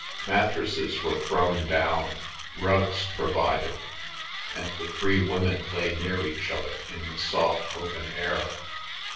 Mattresses were thrown down, rugs provided, and the three women lay near each other in the soft open air.